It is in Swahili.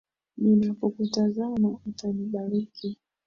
Ninapokutazama utanibariki.